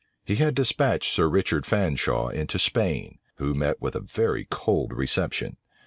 He had despatched Sir Richard Fanshaw into Spain, who met with a very cold reception.